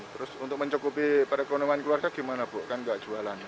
terus untuk mencukupi perekonomian keluarga gimana bu kan nggak jualan